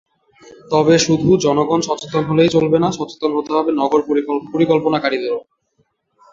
তবে শুধু জনগণ সচেতন হলেই চলবে না, সচেতন হতে হবে নগর পরিকল্পনাকারীদেরও।